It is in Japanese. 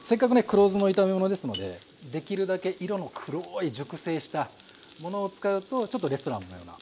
黒酢の炒め物ですのでできるだけ色の黒い熟成したものを使うとちょっとレストランのような。